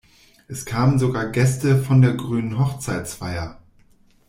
Es kamen sogar Gäste von der grünen Hochzeitsfeier.